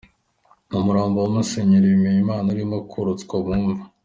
Umurambo wa Musenyeri Bimenyimana urimo kururutswa mu mva.